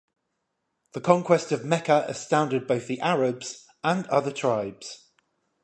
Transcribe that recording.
The conquest of Mecca astounded both the Arabs and other tribes.